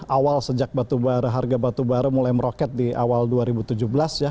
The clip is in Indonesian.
awal sejak batubara harga batubara mulai meroket di awal dua ribu tujuh belas ya